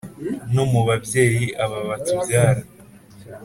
No mubabyeyi aba batubyara